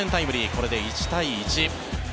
これで１対１。